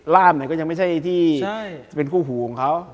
ก็ยังไม่ใช่ที่จะเป็นคู่หูของเขา